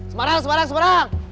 semarang semarang semarang